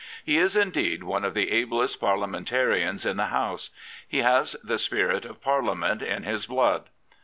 He is, indeed, one of the ablest Parliamentarians in the House. He has the spirit of Parliament in his blood.